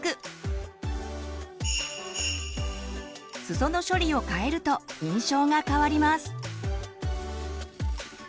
すその処理を変えると印象が変わります。